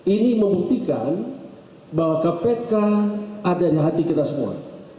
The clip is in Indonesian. ini membuktikan bahwa kpk ada di hati kita semua